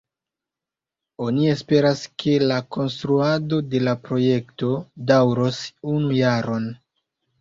Oni esperas, ke la konstruado de la projekto daŭros unu jaron.